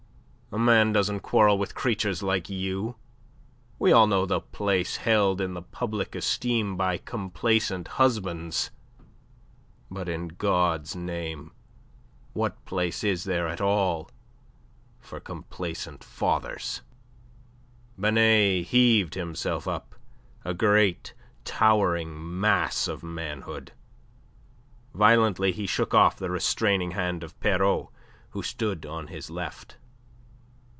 A man doesn't quarrel with creatures like you. We all know the place held in the public esteem by complacent husbands. But, in God's name, what place is there at all for complacent fathers?" Binet heaved himself up, a great towering mass of manhood. Violently he shook off the restraining hand of Pierrot who sat on his left.